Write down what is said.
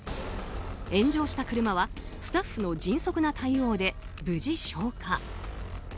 炎上した車はスタッフの迅速な対応で無事消火。